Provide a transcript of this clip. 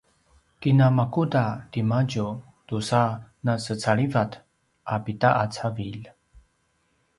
kinamakuda timadju tusa nasecalivat a pida a cavilj